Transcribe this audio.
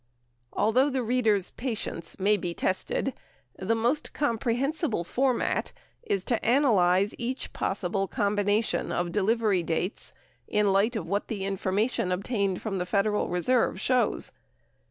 Although the reader's patience may be tested, the most comprehen sible format is to analyze each possible combination of delivery dates in light of what the information obtained from the Federal Reserve shows.